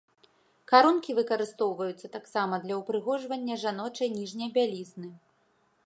Карункі выкарыстоўваюцца таксама для ўпрыгожвання жаночай ніжняй бялізны.